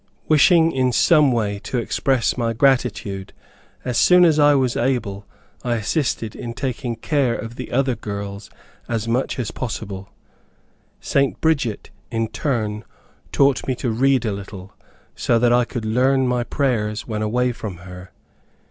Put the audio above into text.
Wishing in some way to express my gratitude, as soon as I was able I assisted in taking care of the other little girls as much as possible. St. Bridget, in turn, taught me to read a little, so that I could learn my prayers when away from her.